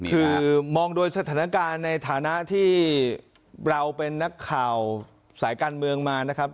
คือมองโดยสถานการณ์ในฐานะที่เราเป็นนักข่าวสายการเมืองมานะครับ